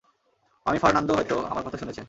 আমি ফার্নান্দো হয়তো, আমার কথা শুনেছেন।